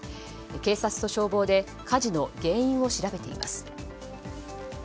警察と消防で火事の原因を調べています。